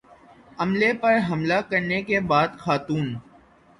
عملے پر حملہ کرنے کے بعد خاتون